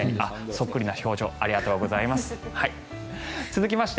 そっくりな表情ありがとうございます。